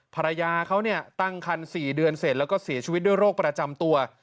ภรรยาเขาตั้งคัน๔เดือนเสร็จแล้วก็เสียชีวิตด้วยโรคประจำตัว